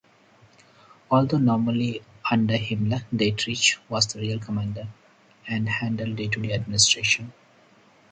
Although nominally under Himmler, Dietrich was the real commander and handled day-to-day administration.